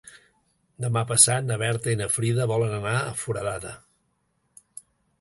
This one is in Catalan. Demà passat na Berta i na Frida volen anar a Foradada.